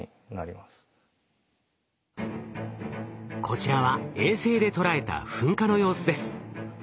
こちらは衛星で捉えた噴火の様子です。